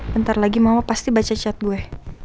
bentar lagi mama pasti baca chat gue